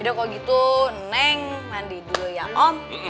udah kalau gitu neng mandi dulu ya om